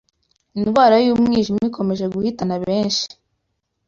Indwara yumwijima ikomeje guhitana benshi